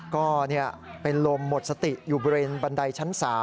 ก็เป็นลมหมดสติอยู่บริเวณบันไดชั้น๓